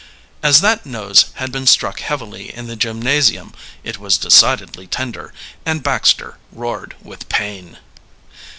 As that nose had been struck heavily in the gymnasium, it was decidedly tender, and Baxter roared with pain.